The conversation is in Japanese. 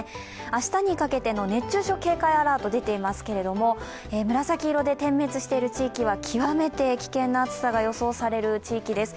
明日にかけての熱中症警戒アラート出ていますけれども、紫色で点滅している地域は極めて危険な暑さが予想される地域です。